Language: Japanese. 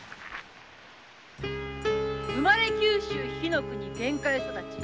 生まれ九州火国玄海育ち。